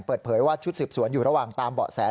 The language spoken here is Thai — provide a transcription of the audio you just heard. เปิดเผยว่าชุดสืบสวนอยู่ระหว่างตามเบาะแส